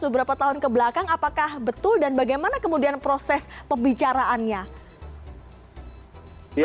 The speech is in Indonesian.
beberapa tahun kebelakang apakah betul dan bagaimana kemudian proses pembicaraannya